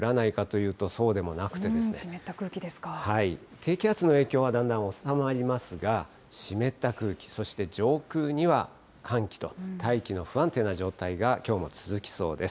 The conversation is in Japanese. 低気圧の影響はだんだん収まりますが、湿った空気、そして上空には寒気と、大気の不安定な状態がきょうも続きそうです。